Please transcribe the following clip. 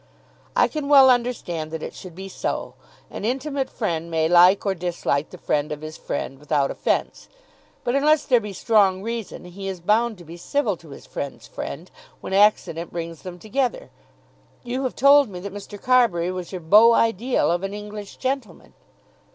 "I can well understand that it should be so. An intimate friend may like or dislike the friend of his friend, without offence. But unless there be strong reason he is bound to be civil to his friend's friend, when accident brings them together. You have told me that Mr. Carbury was your beau ideal of an English gentleman."